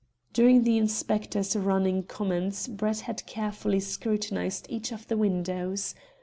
During the inspector's running comments Brett had carefully scrutinised each of the windows.